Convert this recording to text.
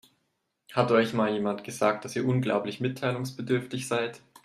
Hat euch mal jemand gesagt, dass ihr unglaublich mitteilungsbedürftig seid?